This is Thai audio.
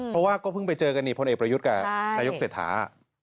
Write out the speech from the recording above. เพราะว่าก็เพิ่งไปเจอกันนี่พลเอกประยุทธ์กับนายกเศรษฐา